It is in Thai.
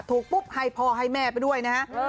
ถูกปุ๊บให้พ่อให้แม่ไปด้วยนะฮะ